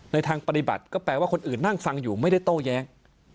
ทางปฏิบัติก็แปลว่าคนอื่นนั่งฟังอยู่ไม่ได้โต้แย้ง